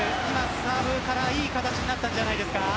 サーブから、いい形になったんじゃないですか。